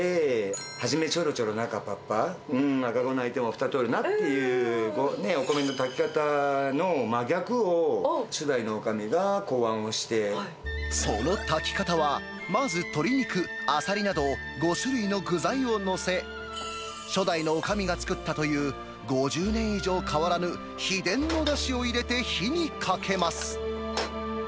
はじめちょろちょろ中ぱっぱ、赤子泣いてもふた取るなっていう、お米の炊き方の真逆を、初代のおその炊き方は、まず鶏肉、アサリなど、５種類の具材を載せ、初代のおかみが作ったという５０年以上変わらぬ秘伝のだしを入れて火にかけます。